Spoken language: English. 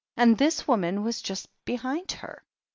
And this woman was just behind her."